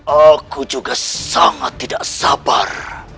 aku juga sangat tidak sabar